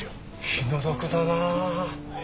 気の毒だなあ。